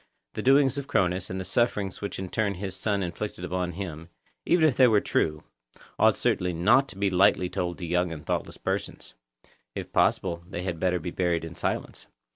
The doings of Cronus, and the sufferings which in turn his son inflicted upon him, even if they were true, ought certainly not to be lightly told to young and thoughtless persons; if possible, they had better be buried in silence.